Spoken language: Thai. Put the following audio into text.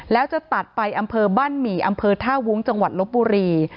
แล้วจะตัดไปอำเภอบ้านหมี่อำเภอท่าวุ้งจังหวัดลบบุรี